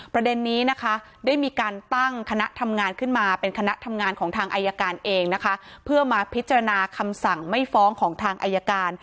ประเด็นนี้นะคะได้มีการตั้งคณะทำงานขึ้นมาเป็นคณะทำงานของทางอายการเองนะคะเพื่อมาพิจารณาคำสั่งไม่ฟ้องของทางอายการ